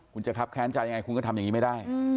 คุณจะคับแค้นใจยังไงคุณก็ทำอย่างนี้ไม่ได้